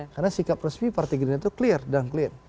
karena sikap resmi partai gerindra itu clear dan clean